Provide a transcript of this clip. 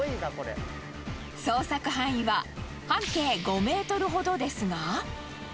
捜索範囲は半径５メートルほどですが。